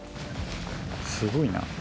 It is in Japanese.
すごいな。